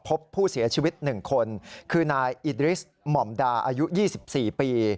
พบผู้เสียชีวิต๑คนคือนายอิดริสหม่อมดาอายุ๒๔ปี